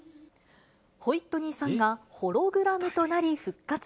ホイットニーさんが、ホログラムとなり、復活。